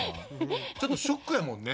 ちょっとショックやもんね